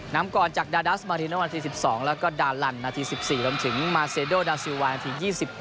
นำก่อนจากดาดัสมารินวันที่๑๒แล้วก็ดาลันนาที๑๔รวมถึงมาเซโดดาซิลวายนาที๒๑